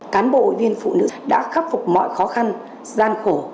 cán bộ viên phụ nữ đã khắc phục mọi khó khăn gian khổ